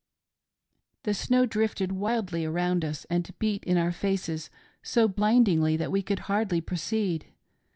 " The snow drifted wildly around us, and beat in our faces so blindingly that we could hardly proceed.